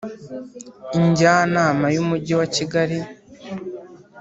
iNjyanama y Umujyi wa Kigali